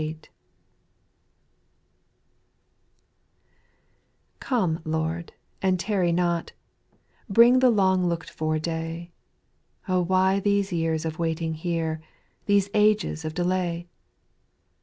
/^OME Lord, and tarry not : \j Bring the long looked for day ; O why these years of waiting here, These ages of delay